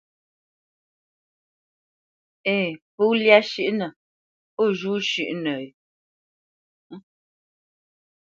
Ǝ̂ŋ, pó lyá shʉ́ʼnǝ, ó zhû shʉ́ʼnǝ ?